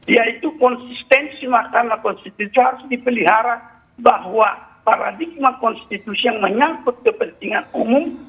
yaitu konsistensi mahkamah konstitusi harus dipelihara bahwa paradigma konstitusi yang menyangkut kepentingan umum